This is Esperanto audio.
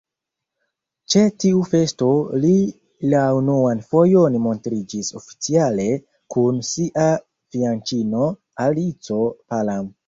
Ĉe tiu festo li la unuan fojon montriĝis oficiale kun sia fianĉino Alico Palam.